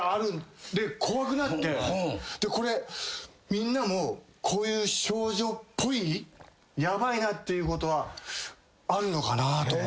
で怖くなってこれみんなもこういう症状っぽいヤバいなっていうことはあるのかなと思って。